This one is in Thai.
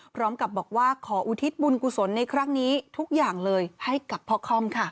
พร้อมกับบอกว่าขออุทิศบุญกุศลในครั้งนี้ทุกอย่างเลยให้กับพ่อค่อมค่ะ